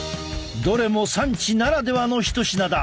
どれも産地ならではの一品だ！